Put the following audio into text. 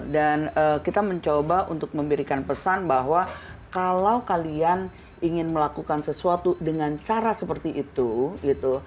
dan kita mencoba untuk memberikan pesan bahwa kalau kalian ingin melakukan sesuatu dengan cara seperti itu gitu